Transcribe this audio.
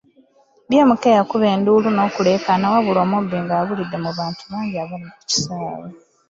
BMK yakuba enduulu n’okuleekaana wabula omubbi ng’abulidde mu bantu abangi abaali ku kisaawe.